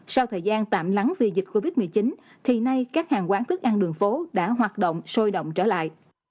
sau thời gian tạm lắng vì dịch covid một mươi chín thì nay các hàng quán thức ăn đường phố đã hoạt động sôi động trở lại